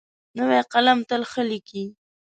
نوی قلم تل ښه لیکي.